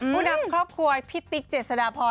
นำครอบครัวพี่ติ๊กเจษฎาพร